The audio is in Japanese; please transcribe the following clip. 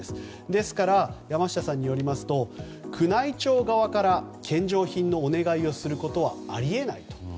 ですから、山下さんによりますと宮内庁側から献上品のお願いをすることはあり得ないと。